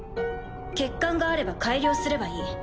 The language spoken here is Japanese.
欠陥があれば改良すればいい。